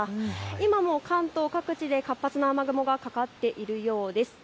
今も関東各地で活発な雨雲がかかっているようです。